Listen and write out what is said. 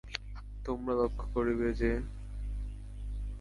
তোমরা লক্ষ্য করিবে যে, আমি কখনও উপনিষদ ছাড়া অন্য কিছু আবৃত্তি করি না।